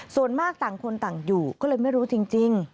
ส่วนมากต่างคนต่างอยู่ก็เลยไม่รู้จริง